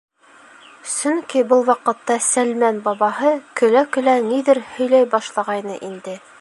Сөнки был ваҡытта Сәлмән бабаһы көлә-көлә ниҙер һөйләй башлағайны инде.